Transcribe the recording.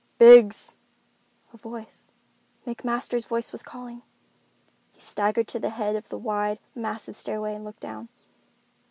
"Biggs!"—a voice—McMaster's voice was calling. He staggered to the head of the wide, massive stairway and looked down.